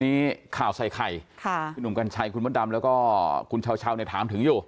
ข่าวใส่ไข่ค่ะพี่หนุ่มกัญชัยคุณมดดำแล้วก็คุณเช้าเนี่ยถามถึงอยู่